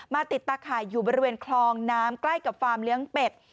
ติดตาข่ายอยู่บริเวณคลองน้ำใกล้กับฟาร์มเลี้ยงเป็ด